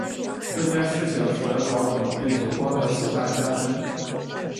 这件事情使得朝廷对久光的信赖加深。